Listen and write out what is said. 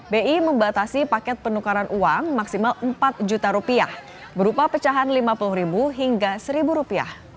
bi membatasi paket penukaran uang maksimal rp empat juta rupiah berupa pecahan rp lima puluh hingga rp satu